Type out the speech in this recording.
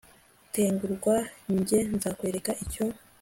gutegurwa jye nzakwereka icyo